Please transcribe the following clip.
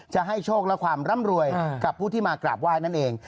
จะให้โชคและความร่ำรวยกับผู้ที่มากราบไหว้นั่นเอง